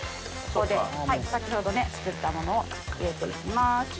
ここで先ほど作ったものを入れて行きます。